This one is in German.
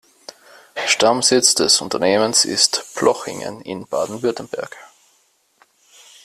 Stammsitz des Unternehmens ist Plochingen in Baden-Württemberg.